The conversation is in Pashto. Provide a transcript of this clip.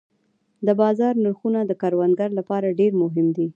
د بازار نرخونه د کروندګر لپاره ډېر مهم دي.